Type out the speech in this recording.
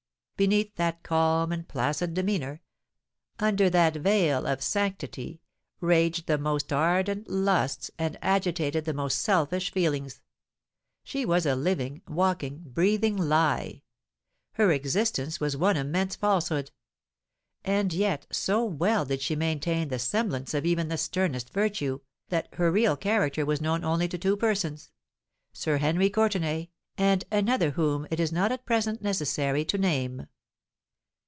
Beneath that calm and placid demeanour—under that veil of sanctity—raged the most ardent lusts, and agitated the most selfish feelings. She was a living—walking—breathing lie. Her existence was one immense falsehood; and yet so well did she maintain the semblance of even the sternest virtue, that her real character was known only to two persons—Sir Henry Courtenay, and another whom it is not at present necessary to name.